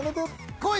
こい。